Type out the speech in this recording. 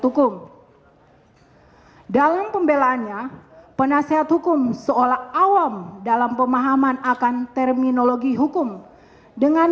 hukum dalam pembelaannya penasehat hukum seolah awam dalam pemahaman akan terminologi hukum dengan